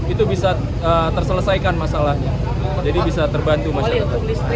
itu bisa terselesaikan masalahnya jadi bisa terbantu masyarakat